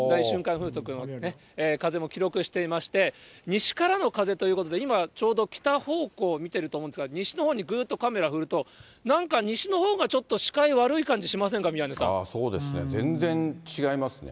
風速の風も記録していまして、西からの風ということで、今、ちょうど北方向見てると思うんですが、西のほうにぐーっとカメラ振ると、なんか西のほうがちょっと視界悪そうですね、全然違いますね。